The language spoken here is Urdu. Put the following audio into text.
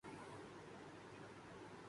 دسمبر میں سب سے زیادہ سردی پڑتی